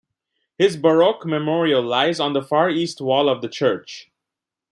His baroque memorial lies on the far east wall of the church.